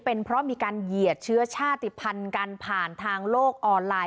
เป็นเพราะมีการเหยียดเชื้อชาติภัณฑ์กันผ่านทางโลกออนไลน์